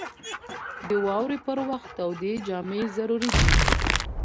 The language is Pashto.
• د واورې پر وخت تودې جامې ضروري دي.